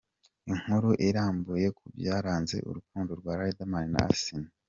Inkuru irambuye ku byaranze urukundo rwa Riderman na Asinah.